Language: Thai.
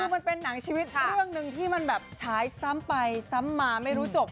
คือมันเป็นหนังชีวิตเรื่องหนึ่งที่มันแบบฉายซ้ำไปซ้ำมาไม่รู้จบ